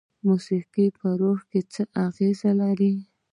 موسیقي په روح څه اغیزه لري؟